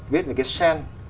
về cái sen